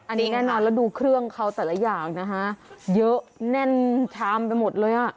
อันนี้แน่นอนแล้วดูเครื่องเขาแต่ละอย่างนะฮะเยอะแน่นชามไปหมดเลยอ่ะ